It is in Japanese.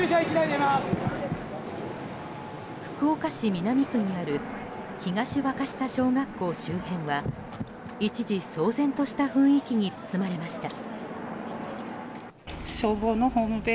福岡市南区にある東若久小学校周辺は一時、騒然とした雰囲気に包まれました。